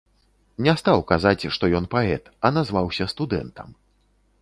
Не стаў казаць, што ён паэт, а назваўся студэнтам.